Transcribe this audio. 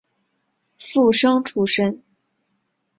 附生出身。